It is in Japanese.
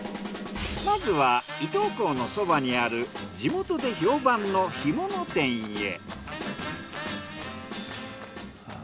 まずは伊東港のそばにある地元で評判の干物店へ。